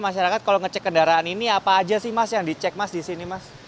masyarakat kalau ngecek kendaraan ini apa aja sih mas yang dicek mas di sini mas